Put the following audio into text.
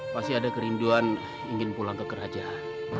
pasti ada kerinduan ingin pulang ke kerajaan